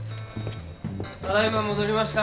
ただ今戻りました。